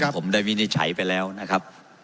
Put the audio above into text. ผมได้วินิจฉัยไปแล้วนะครับ